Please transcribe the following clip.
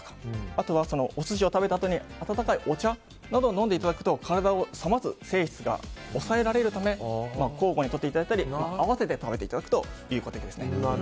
あとは、お寿司を食べたあとに温かいお茶などを飲んでいただくと体を冷ます性質が抑えられるため交互にとっていただいたり合わせて食べていただくといいわけですね。